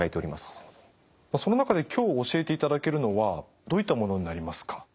その中で今日教えていただけるのはどういったものになりますか？